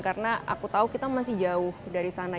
karena aku tahu kita masih jauh dari sana